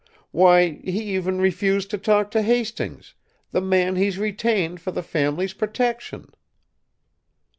Why, he even refused to talk to Hastings, the man he's retained for the family's protection!"